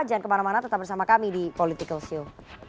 jangan kemana mana tetap bersama kami di political show